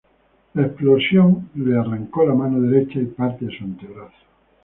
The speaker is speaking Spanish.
La explosión le arrancó la mano derecha y parte de su antebrazo.